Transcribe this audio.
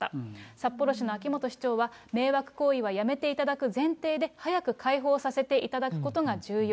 札幌市の秋元市長は、迷惑行為はやめていただく前提で早く開放させていただくことが重要。